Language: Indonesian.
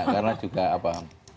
karena juga apa